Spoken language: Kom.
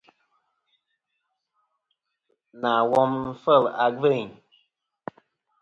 Nà wom nɨ̀n fêl a gvêyn.